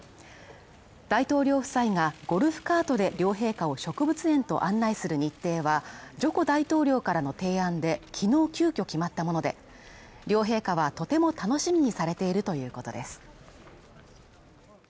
大統領夫妻がゴルフカートで両陛下を植物園へと案内する日程はジョコ大統領からの提案で、昨日急遽決まったもので、両陛下はとても楽しみにされているということです。